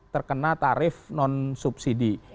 terkena tarif non subsidi